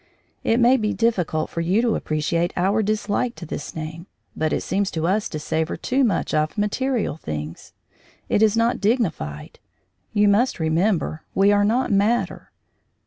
It may be difficult for you to appreciate our dislike to this name, but it seems to us to savour too much of material things. It is not dignified; you must remember we are not matter.